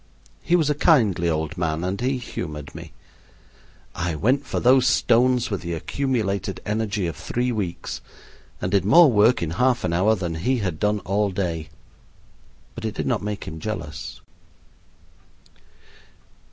He was a kindly old man and he humored me. I went for those stones with the accumulated energy of three weeks, and did more work in half an hour than he had done all day. But it did not make him jealous.